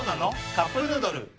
「カップヌードル」